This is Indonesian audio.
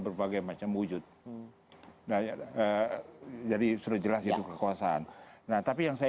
berbagai macam wujud jadi sudah jelas itu kekuasaan nah tapi yang saya